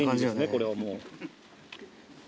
これはもう。